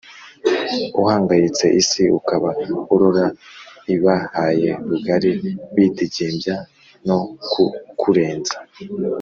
uhangayitse Isi ukaba urora ibahaye rugari Bidegembya no kukurenza